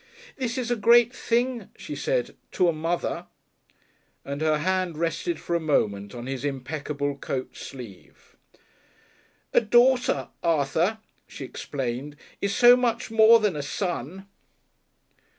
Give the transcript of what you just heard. "This is a great thing," she said, "to a mother," and her hand rested for a moment on his impeccable coat sleeve. "A daughter, Arthur," she explained, "is so much more than a son."